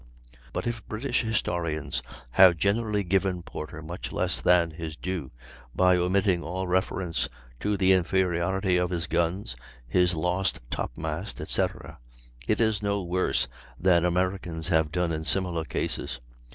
But if British historians have generally given Porter much less than his due, by omitting all reference to the inferiority of his guns, his lost top mast, etc., it is no worse than Americans have done in similar cases.